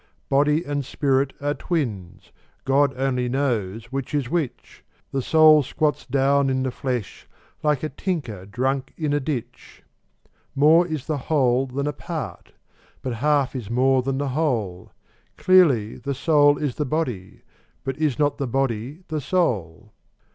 Body and spirit are twins: God only knows which is which: The soul squats down in the flesh, like a tinker drunk in a ditch. More is the whole than a part: but half is more than the whole: Clearly, the soul is the body: but is not the body the soul?